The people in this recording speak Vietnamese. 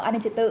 an ninh trật tự